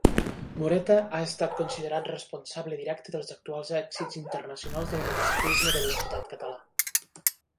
Moreta ha estat considerat responsable directe dels actuals èxits internacionals del motociclisme de velocitat català.